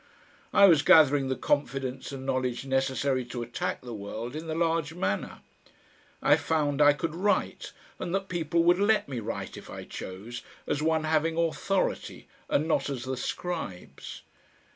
I was gathering the confidence and knowledge necessary to attack the world in the large manner; I found I could write, and that people would let me write if I chose, as one having authority and not as the scribes.